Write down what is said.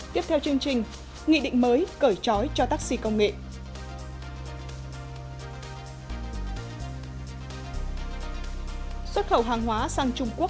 tiếp theo chương trình nghị định mới cởi trói cho taxi công nghệ